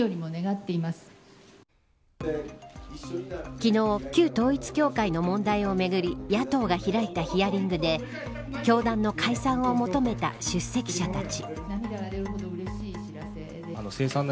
昨日旧統一教会の問題をめぐり野党が開いたヒアリングで教団の解散を求めた出席者たち。